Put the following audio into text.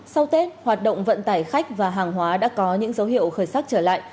sau tết hoạt động vận tải khách và hàng hóa đã có những dấu hiệu khởi sắc trở lại